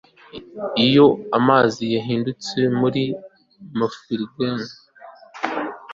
Iyo amazi yahindutse muri Maufrigneuse